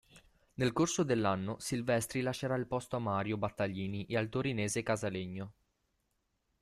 Nel corso dell'anno Silvestri lascerà il posto a Mario Battaglini e al torinese Casalegno.